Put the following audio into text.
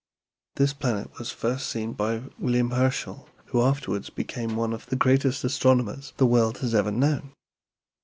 This planet was first seen by William Herschel, who afterwards became one of the greatest astronomers the world has ever known.